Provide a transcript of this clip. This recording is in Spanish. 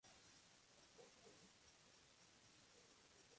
Así, puede proponer o defender diferentes elementos, según la necesidad.